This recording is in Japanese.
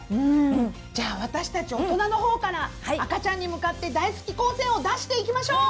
じゃあ私たち大人の方から赤ちゃんに向かって大好き光線を出していきましょう！